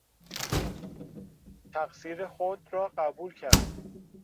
تقصیر خود را قبول کرد.